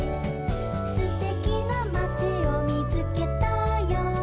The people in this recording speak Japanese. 「すてきなまちをみつけたよ」